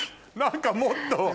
何かもっと。